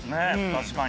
確かに。